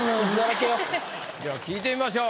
では聞いてみましょう。